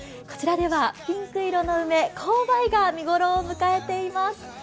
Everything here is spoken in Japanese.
こちらではピンク色の梅紅梅が見頃を迎えています。